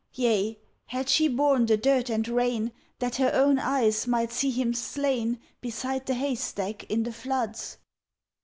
Yea, had she borne the dirt and rain That her own eyes might see him slain Beside the haystack in the floods?